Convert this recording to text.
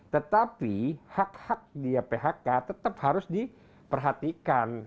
tetapi hak hak dia phk tetap harus diperhatikan